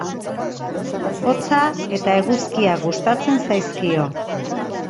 Hotza eta eguzkia gustatzen zaizkio.